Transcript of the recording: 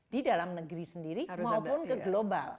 di dalam negeri sendiri maupun ke global